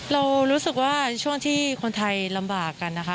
เรารู้สึกว่าช่วงที่คนไทยลำบากกันนะคะ